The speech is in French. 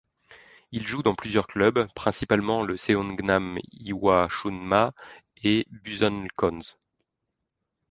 Il joue dans plusieurs clubs, principalement le Seongnam Ilhwa Chunma et Busan I'cons.